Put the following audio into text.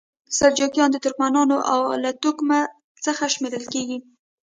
سلجوقیان د ترکمنانو له توکم څخه شمیرل کیږي.